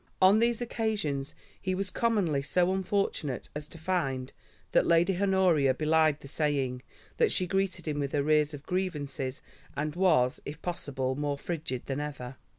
On these occasions he was commonly so unfortunate as to find that Lady Honoria belied the saying, that she greeted him with arrears of grievances and was, if possible, more frigid than ever.